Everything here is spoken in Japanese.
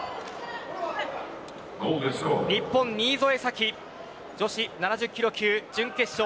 日本、新添左季女子７０キロ級準決勝。